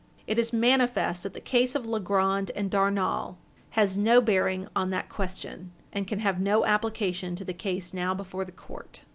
It is manifest that the case of Legrand and Darnall has no bearing on that question, and can have no application to the case now before the court.